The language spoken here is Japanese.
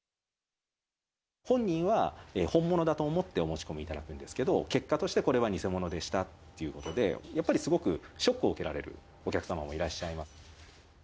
本人は、本物だと思ってお持ち込みいただくんですけれども、結果として、これは偽物でしたってことで、やっぱりすごくショックを受けられるお客様もいらっしゃいます。